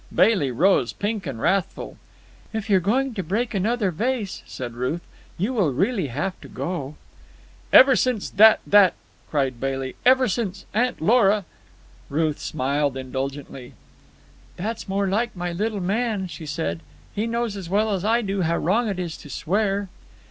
Bailey rose, pink and wrathful. "If you're going to break another vase," said Ruth, "you will really have to go." "Ever since that—that——" cried Bailey. "Ever since Aunt Lora——" Ruth smiled indulgently. "That's more like my little man," she said. "He knows as well as I do how wrong it is to swear."